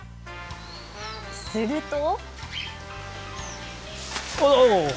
すると。